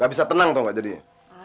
gak bisa tenang tau gak jadinya